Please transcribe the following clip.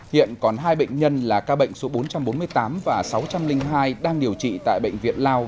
hiện còn hai bệnh nhân là ca bệnh số bốn trăm bốn mươi tám và sáu trăm linh hai đang điều trị tại bệnh viện lao